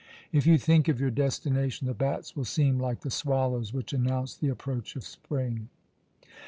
If you think of your destination, the bats will seem like the swallows which announce the approach of spring."